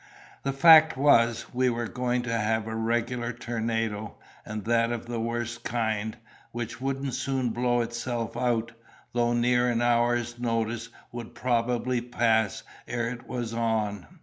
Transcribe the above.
The fact was, we were going to have a regular tornado, and that of the worst kind, which wouldn't soon blow itself out; though near an hour's notice would probably pass ere it was on.